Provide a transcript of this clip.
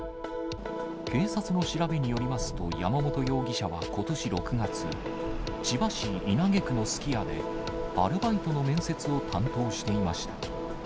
警察の調べによりますと、山本容疑者はことし６月、千葉市稲毛区のすき家で、アルバイトの面接を担当していました。